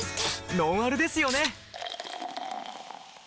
ノンアルですよね！